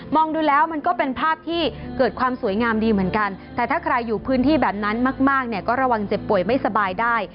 ดูแล้วมันก็เป็นภาพที่เกิดความสวยงามดีเหมือนกันแต่ถ้าใครอยู่พื้นที่แบบนั้นมากเนี่ยก็ระวังเจ็บป่วยไม่สบายได้